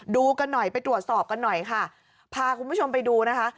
ดูกันหน่อยไปตรวจสอบกันหน่อยค่ะพาคุณผู้ชมไปดูนะคะ